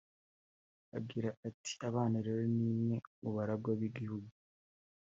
Agira ati “Abana rero ni mwe baragwa b’igihugu